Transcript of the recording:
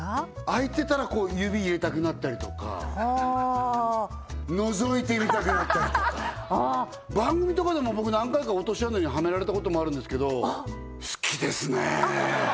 開いてたらこう指入れたくなったりとかはあのぞいてみたくなったりとかああ番組とかでも僕何回か落とし穴にはめられたこともあるんですけど好きですね！